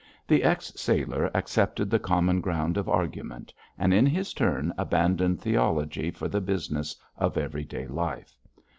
The ex sailor accepted the common ground of argument, and in his turn abandoned theology for the business of everyday life.